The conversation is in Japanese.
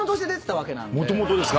もともとですか？